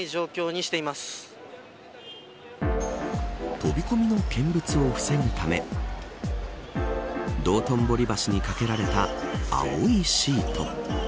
飛び込みの見物を防ぐため道頓堀橋にかけられた青いシート。